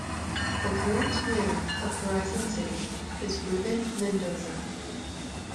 The current mayor of Horizon City is Ruben Mendoza.